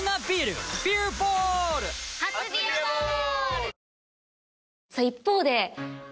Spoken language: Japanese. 初「ビアボール」！